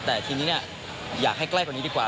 แต่ทีนี้อยากให้ใกล้กว่านี้ดีกว่า